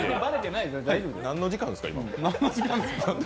何の時間ですか？